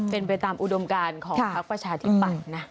เป็นไปตามอุดมการของพักประชาธิปัตย์นะ